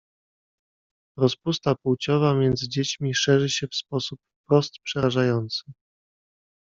"Rozpusta płciowa między dziećmi szerzy się w sposób wprost przerażający."